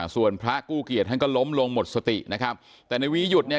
ส่วนพระกู้เกียรติท่านก็ล้มลงหมดสตินะครับแต่ในวีหยุดเนี่ย